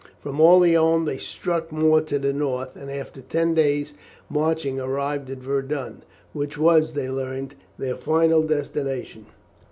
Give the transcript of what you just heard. From Orleans they struck more to the north, and after ten days' marching arrived at Verdun, which was, they learned, their final destination.